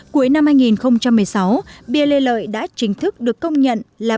cuối năm hai nghìn một mươi sáu bia lê lợi đã chính thức được công nhận là